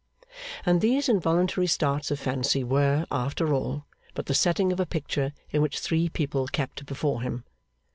And these involuntary starts of fancy were, after all, but the setting of a picture in which three people kept before him.